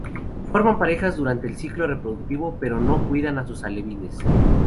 Forman parejas durante el ciclo reproductivo, pero no cuidan a sus alevines.